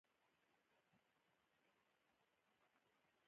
هوښیار انسان د خپل هدف لپاره قرباني ورکوي.